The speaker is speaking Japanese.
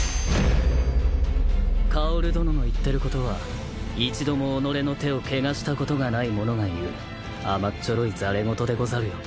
薫殿の言ってることは一度もおのれの手を汚したことがない者が言う甘っちょろいざれ言でござるよ。